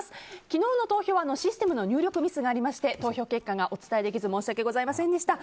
昨日の投票はシステムの入力ミスがありまして投票結果がお伝えできず申し訳ございませんでした。